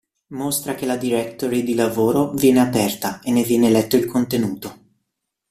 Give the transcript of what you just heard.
Mostra che la directory di lavoro viene aperta e ne viene letto il contenuto.